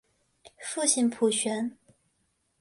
父亲浦璇。